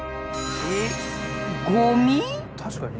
確かにね。